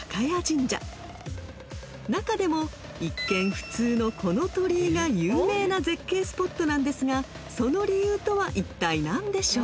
［中でも一見普通のこの鳥居が有名な絶景スポットなんですがその理由とはいったい何でしょうか？］